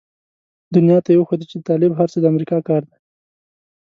دنيا ته يې وښوده چې د طالب هر څه د امريکا کار دی.